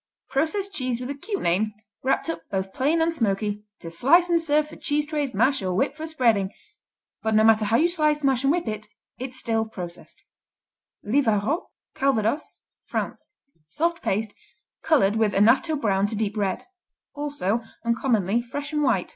_ Processed cheese with a cute name, wrapped up both plain and smoky, to "slice and serve for cheese trays, mash or whip for spreading," but no matter how you slice, mash and whip it, it's still processed. Livarot Calvados, France Soft paste, colored with annatto brown or deep red (also, uncommonly, fresh and white).